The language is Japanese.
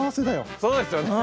そうですよね。